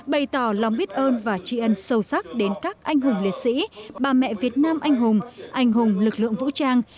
bày tỏ lòng biết ơn và tri ân sâu sắc đến các anh hùng liệt sĩ bà mẹ việt nam anh hùng anh hùng lực lượng vũ trang